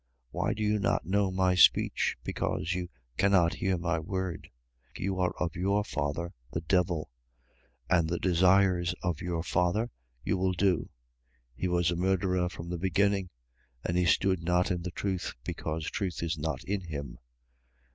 8:43. Why do you not know my speech? Because you cannot hear my word. 8:44. You are of your father the devil: and the desires of your father you will do. He was a murderer from the beginning: and he stood not in the truth, because truth is not in him.